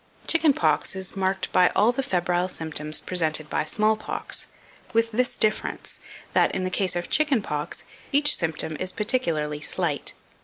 2539. Chicken pox is marked by all the febrile symptoms presented by small pox, with this difference, that, in the case of chicken pox, each symptom is particularly slight.